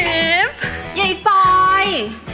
เอฟใหญ่ปลอย